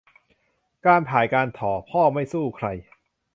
การพายการถ่อ พ่อไม่สู้ใคร